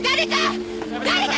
誰か！